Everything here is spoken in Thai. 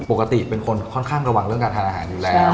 ปกติเป็นคนค่อนข้างระวังเรื่องการทานอาหารอยู่แล้ว